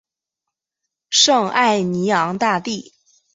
圣艾尼昂大地。